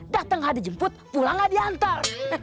dateng nggak dijemput pulang nggak diantar